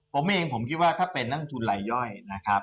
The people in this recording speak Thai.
ผมเองผมคิดว่าถ้าเป็นนักทุนลายย่อยนะครับ